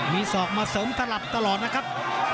มีศอกมาเสริมสลับตลอดนะครับ